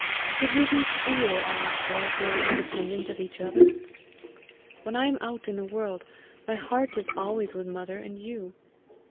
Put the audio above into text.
Should we be freer, Alister, if we were independent of each other? When I am out in the world, my heart is always with mother and you.